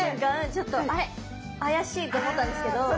ちょっとあれ怪しいと思ったんですけど。